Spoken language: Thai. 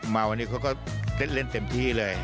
มาวันนี้เขาก็เล่นเต็มที่เลย